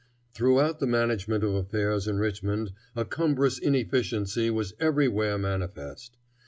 Throughout the management of affairs in Richmond a cumbrous inefficiency was everywhere manifest.